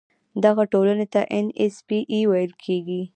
دغه ټولنې ته ان ایس پي اي ویل کیږي.